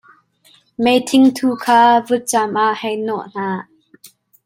Meithingthu kha vutcam ah hei nawh hna.